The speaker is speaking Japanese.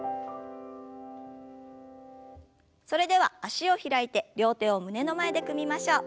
それでは脚を開いて両手を胸の前で組みましょう。